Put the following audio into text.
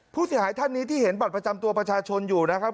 ผู้เสียหายท่านนี้ที่เห็นบัตรประจำตัวประชาชนอยู่นะครับ